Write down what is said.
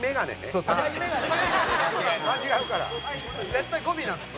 絶対語尾なんですよ。